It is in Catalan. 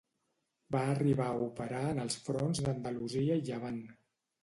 Va arribar a operar en els fronts d'Andalusia i Llevant.